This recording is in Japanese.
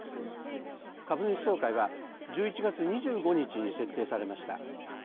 株主総会は１１月２５日に設定されました。